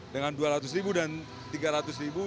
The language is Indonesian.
dengan dua ratus ribu dan tiga ratus ribu